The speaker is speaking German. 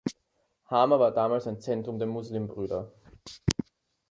Hama war damals ein Zentrum der Muslimbrüder.